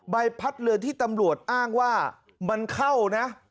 ใบพัดเรือที่ตำรวจอ้างว่ามันเข้านะ